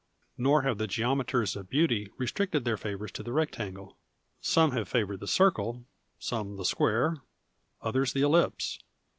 Nor have the geometers of beauty restricted their favours to the rectangle. Some have favoured the eirele, some the square, others the ellipse.